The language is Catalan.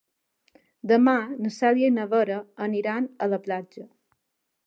Demà na Cèlia i na Vera aniran a la platja.